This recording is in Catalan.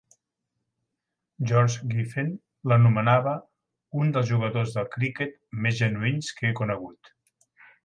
George Giffen l'anomenava "un dels jugadors de criquet més genuïns que he conegut".